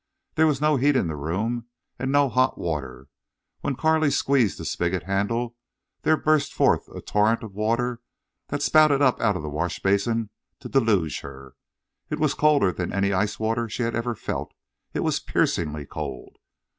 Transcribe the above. There was no heat in the room, and no hot water. When Carley squeezed the spigot handle there burst forth a torrent of water that spouted up out of the washbasin to deluge her. It was colder than any ice water she had ever felt. It was piercingly cold.